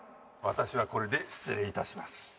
私はこれで失礼致します。